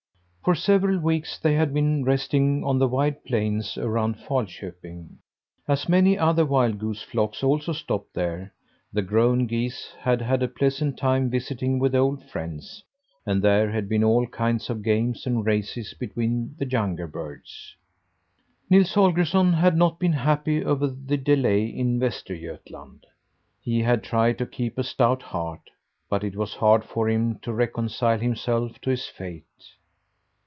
For several weeks they had been resting on the wide plains around Falköping. As many other wild goose flocks also stopped there, the grown geese had had a pleasant time visiting with old friends, and there had been all kinds of games and races between the younger birds. Nils Holgersson had not been happy over the delay in Westergötland. He had tried to keep a stout heart; but it was hard for him to reconcile himself to his fate.